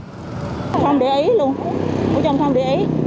không để ý luôn của chồng không để ý